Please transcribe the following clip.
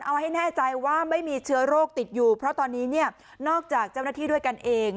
เอาให้แน่ใจว่าไม่มีเชื้อโรคติดอยู่เพราะตอนนี้เนี่ยนอกจากเจ้าหน้าที่ด้วยกันเอง